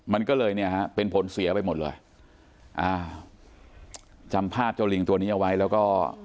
มันก็เลยเนี่ยฮะเป็นผลเสียไปหมดเลยอ่าจำภาพเจ้าลิงตัวนี้เอาไว้แล้วก็